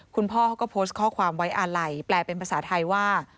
คุณพ่อเขาก็โพสต์ข้อความไว้อาลัยแปลเป็นภาษาไทยว่า